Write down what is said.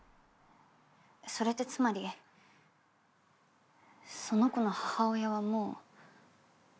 それってつまりその子の母親はもう。